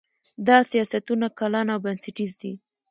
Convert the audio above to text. دا سیاستونه کلان او بنسټیز دي.